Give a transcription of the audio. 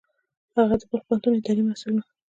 هغه د بلخ پوهنتون اداري مسوول و.